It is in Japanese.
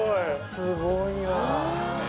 すごいわ！